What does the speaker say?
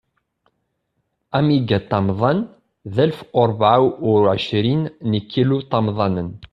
Amigaṭamḍan, d alef u rebɛa u ɛecrin n ikiluṭamḍanen.